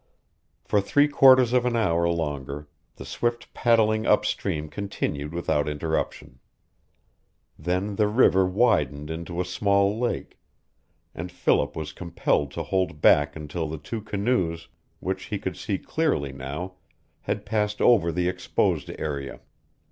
For three quarters of an hour longer the swift paddling up stream continued without interruption. Then the river widened into a small lake, and Philip was compelled to hold back until the two canoes, which he could see clearly now, had passed over the exposed area.